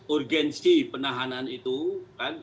urgensi penahanan itu kan